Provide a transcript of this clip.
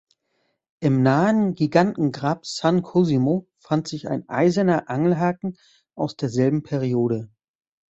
Im nahen Gigantengrab San Cosimo fand sich ein eiserner Angelhaken aus derselben Periode.